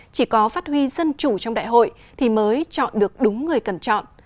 chỉ có phát huy dân chủ trong đại hội thì mới chọn được đúng người cần chọn